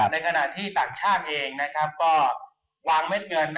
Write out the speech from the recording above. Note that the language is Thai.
ในขณะที่ต่างชาติเองก็วางเม็ดเงิน